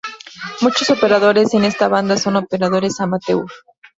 Muchos operadores en esta banda son operadores amateur.